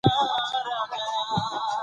خو د معشوقې لپاره کارېدلي